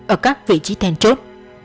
ở các vị trí thèn chốt